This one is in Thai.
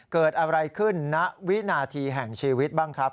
เกิดอะไรขึ้นณวินาทีแห่งชีวิตบ้างครับ